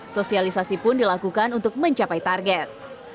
sosialisasi pun dilakukan untuk mencapai target